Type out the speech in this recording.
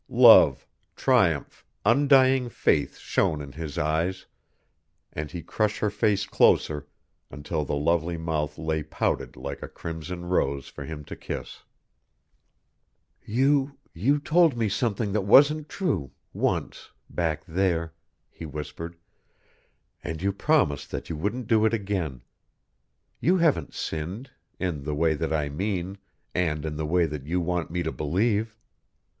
Love, triumph, undying faith shone in his eyes, and he crushed her face closer until the lovely mouth lay pouted like a crimson rose for him to kiss. "You you told me something that wasn't true once back there," he whispered, "and you promised that you wouldn't do it again. You haven't sinned in the way that I mean, and in the way that you want me to believe."